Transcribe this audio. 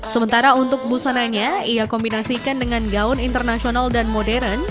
sementara untuk busananya ia kombinasikan dengan gaun internasional dan modern